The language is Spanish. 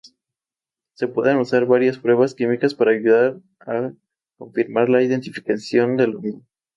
Se pueden usar varias pruebas químicas para ayudar a confirmar la identificación del hongo.